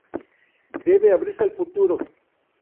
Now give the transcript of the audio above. Debe abrirse al futuro.